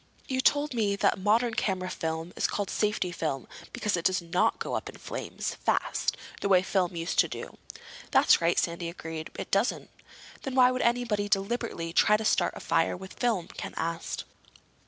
"You told me that modern camera film is called safety film because it does not go up in flames, fast—the way film used to do." "That's right," Sandy agreed. "It doesn't." "Then why would anybody deliberately try to start a fire with film?" Ken asked.